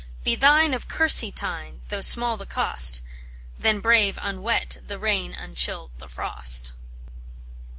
Be thine of kersey tine, though small the cost, Then brave, unwet, the rain, unchilled, the frost."